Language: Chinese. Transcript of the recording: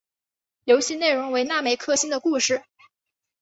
游戏内容为那美克星的故事。